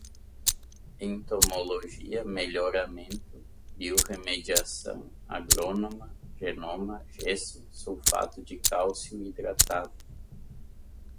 entomologia, melhoramento, biorremediação, agrônoma, genoma, gesso, sulfato de cálcio hidratado